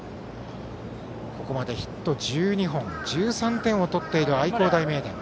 ここまでヒット１２本１３点を取っている愛工大名電。